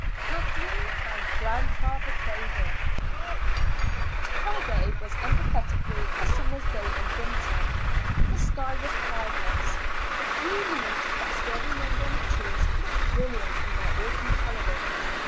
KATHLEEN AND GRANDFATHER CRAVEN. Friday was emphatically a summer's day in winter. The sky was cloudless; the few leaves that still remained on the trees looked brilliant in their autumn coloring.